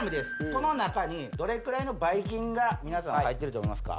この中にどれくらいのばい菌が皆さん入ってると思いますか？